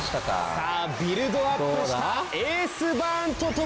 さぁビルドアップしたエースバーン